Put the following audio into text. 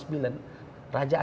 ini memang biraz besar